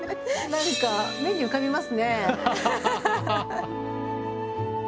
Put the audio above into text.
なんか目に浮かびますね。